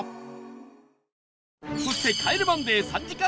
そして『帰れマンデー』３時間